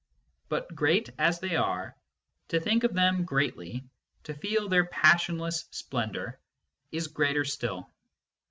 But, great as they are, to think of them greatly, to feel their passionless splendour, is greater still.